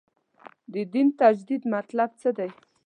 د دین تجدید مطلب څه دی.